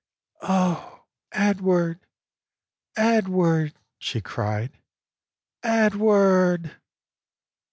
" Oh, Edward, Edward !" she cried ;" Ed ward!"